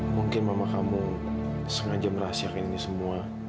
mungkin mama kamu sengaja merahasiakan ini semua